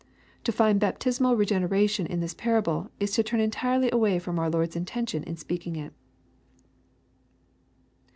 To find baptismal regeneration in this parable, is to turn entirely away from our Lord's intention in speaking it.